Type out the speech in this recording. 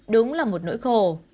đúng là một nỗi khổ